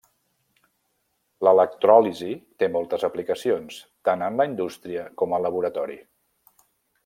L’electròlisi té moltes aplicacions, tant en la indústria com al laboratori.